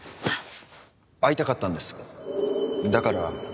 会いたかったんですだから